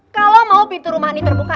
kalau mau pintu rumah ini terbuka